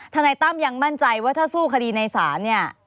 นายตั้มยังมั่นใจว่าถ้าสู้คดีในศาลเนี่ย